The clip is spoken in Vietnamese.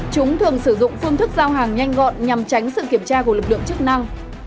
chúng thường sử dụng phương thức giao hàng nhanh gọn nhằm tránh sự kiểm tra của lực lượng chức năng